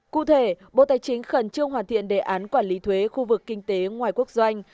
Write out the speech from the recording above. cụ thể bộ tài chính khẩn trương hoàn thiện đề án quản lý thuế khu vực kinh tế ngoài quốc doanh